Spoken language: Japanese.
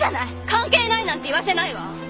関係ないなんて言わせないわ！